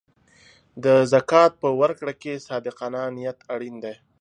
د زکات په ورکړه کې صادقانه نیت اړین دی.